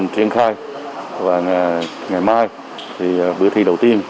diễn khai và ngày mai thì bữa thi đầu tiên